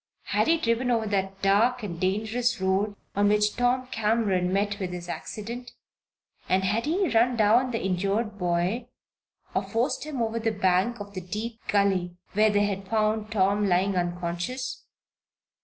Had he driven over that dark and dangerous road on which Tom Cameron met with his accident, and had he run down the injured boy, or forced him over the bank of the deep gully where they had found Tom lying unconscious?